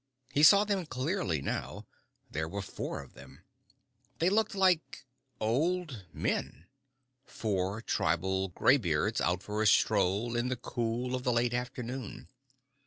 He saw them clearly now. There were four of them. They looked like old men. Four tribal gray beards out for a stroll in the cool of the late afternoon.